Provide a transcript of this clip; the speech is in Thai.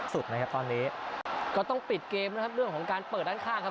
สุดนะครับตอนนี้ก็ต้องปิดเกมนะครับเรื่องของการเปิดด้านข้างครับ